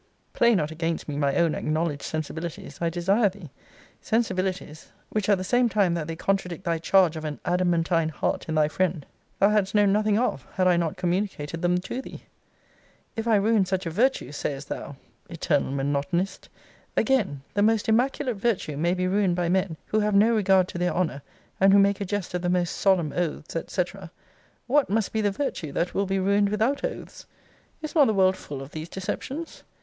Play not against me my own acknowledged sensibilities, I desire thee. Sensibilities, which at the same time that they contradict thy charge of an adamantine heart in thy friend, thou hadst known nothing of, had I not communicated them to thee. If I ruin such a virtue, sayest thou! Eternal monotonist! Again; the most immaculate virtue may be ruined by men who have no regard to their honour, and who make a jest of the most solemn oaths, &c. What must be the virtue that will be ruined without oaths? Is not the world full of these deceptions?